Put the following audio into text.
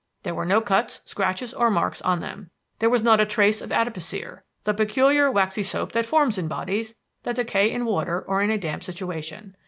There were no cuts, scratches or marks on them. There was not a trace of adipocere the peculiar waxy soap that forms in bodies that decay in water or in a damp situation.